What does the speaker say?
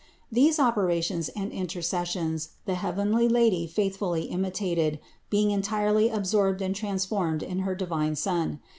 These operations and intercessions the heavenly Lady faithfully imitated, being entirely absorbed and trans formed in her divine Son.